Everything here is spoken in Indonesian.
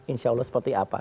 insya allah seperti apa